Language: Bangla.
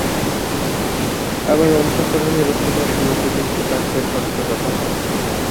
আমার অন্তঃকরণের অভিলাষ এই উপযুক্ত পাত্রের হস্তগতা হও।